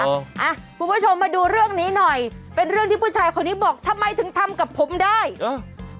อ่ะคุณผู้ชมมาดูเรื่องนี้หน่อยเป็นเรื่องที่ผู้ชายคนนี้บอกทำไมถึงทำกับผมได้เออ